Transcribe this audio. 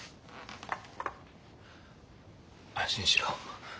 安心しろ。